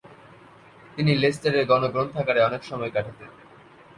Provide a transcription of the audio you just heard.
তিনি লেস্টারের গণগ্রন্থাগারে অনেক সময় কাটাতেন।